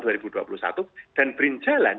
dan brin jalan repot kan menata ini di tengah tengah kabinet